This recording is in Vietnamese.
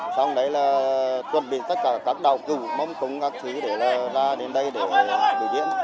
xong đấy là chuẩn bị tất cả các đạo cụ mong cung các thứ để ra đến đây để biểu diễn